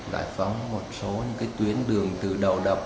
giải phóng một số những tuyến đường từ đầu đập